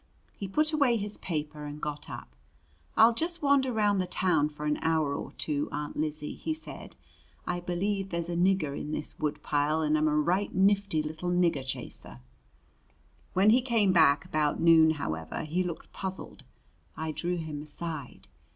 He put away his paper and got up. "I'll just wander round the town for an hour or two, Aunt Lizzie," he said. "I believe there's a nigger in this woodpile and I'm a right nifty little nigger chaser." When he came back about noon, however, he looked puzzled. I drew him aside.